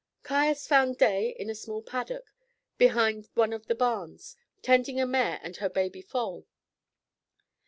Caius found Day in a small paddock behind one of the barns, tending a mare and her baby foal.